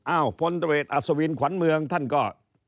อ้าวพลเตอร์เวทอัศวินขวัญเมืองท่านก็